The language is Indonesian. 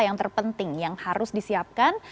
yang terpenting yang harus disiapkan